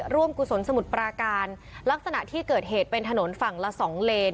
กุศลสมุทรปราการลักษณะที่เกิดเหตุเป็นถนนฝั่งละสองเลน